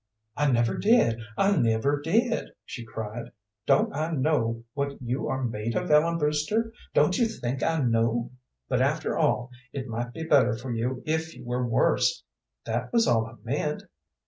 "I never did, I never did!" she cried. "Don't I know what you are made of, Ellen Brewster? Don't you think I know? But after all, it might be better for you if you were worse. That was all I meant."